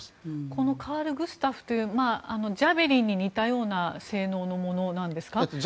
このカール・グスタフというジャベリンに似たような性能のものなんですか？